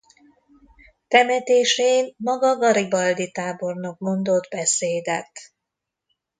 Temetésén maga Garibaldi tábornok mondott beszédet.